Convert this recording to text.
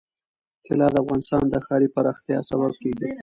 طلا د افغانستان د ښاري پراختیا سبب کېږي.